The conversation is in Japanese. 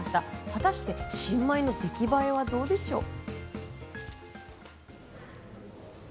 果たして新米の出来栄えはどうでしょう。